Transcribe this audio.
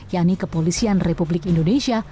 yakni kepolisian republik indonesia